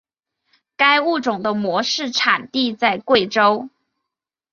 该物种的模式产地在贵州。